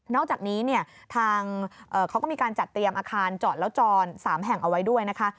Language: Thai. อกจากนี้เนี่ยทางเขาก็มีการจัดเตรียมอาคารจอดแล้วจร๓แห่งเอาไว้ด้วยนะคะ